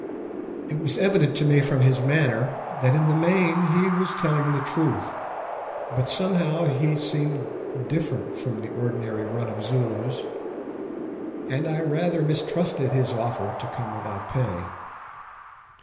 It was evident to me from his manner that in the main he was telling the truth, but somehow he seemed different from the ordinary run of Zulus, and I rather mistrusted his offer to come without pay.